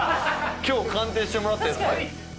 今日鑑定してもらったやつで。